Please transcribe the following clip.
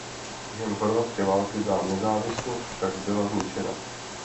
Během chorvatské války za nezávislost však byla zničena.